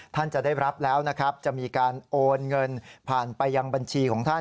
ท่านจะได้รับแล้วนะครับจะมีการโอนเงินผ่านไปยังบัญชีของท่าน